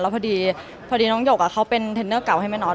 พอดีน้องหยกเขาเป็นเทรนเนอร์เก่าให้แม่นอท